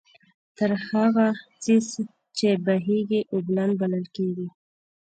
هر هغه څيز چې بهېږي، اوبلن بلل کيږي